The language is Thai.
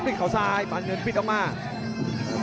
กุกแล้วเพราะตัวกดมาทำให้ผู้บุลภาพขยยาได้